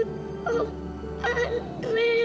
lara mau ikut tante dewi